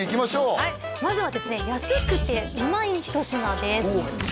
はいまずはですね安くてうまい一品です